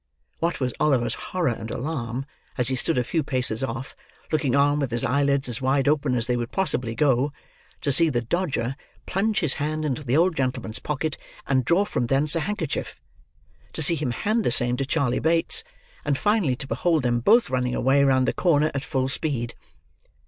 What was Oliver's horror and alarm as he stood a few paces off, looking on with his eyelids as wide open as they would possibly go, to see the Dodger plunge his hand into the old gentleman's pocket, and draw from thence a handkerchief! To see him hand the same to Charley Bates; and finally to behold them, both running away round the corner at full speed!